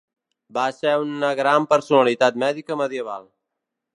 Va ser una gran personalitat mèdica medieval.